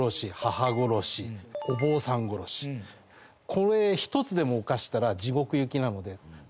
これ一つでも犯したら地獄行きなので。